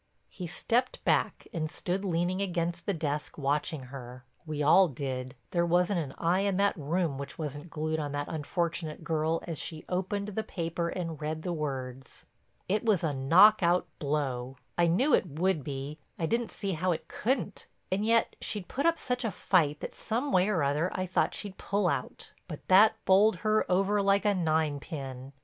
He stepped back and stood leaning against the desk watching her. We all did; there wasn't an eye in that room which wasn't glued on that unfortunate girl as she opened the paper and read the words. It was a knock out blow. I knew it would be—I didn't see how it couldn't—and yet she'd put up such a fight that some way or other I thought she'd pull out. But that bowled her over like a nine pin.